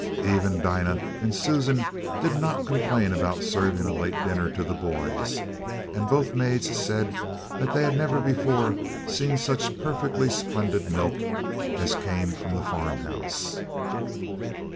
Even Dinah and Susan did not complain about serving a late dinner to the boys, and both maids said they had never before seen such perfectly splendid milk as came from the farmhouse.